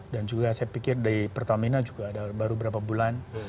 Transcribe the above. dan juga saya pikir dari pertama ini juga baru beberapa bulan